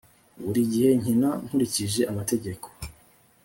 Buri gihe nkina nkurikije amategeko